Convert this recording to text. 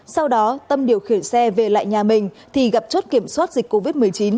sau đó tâm điều khiển xe về lại nhà mình thì gặp chốt kiểm soát dịch covid một mươi chín